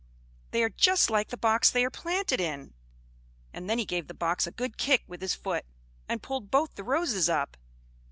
They are just like the box they are planted in!" And then he gave the box a good kick with his foot, and pulled both the roses up.